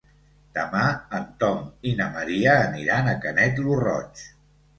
Demà en Tom i na Maria aniran a Canet lo Roig.